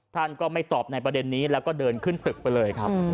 ท่านก็ไม่ตอบในประเด็นนี้แล้วก็เดินขึ้นตึกไปเลยครับ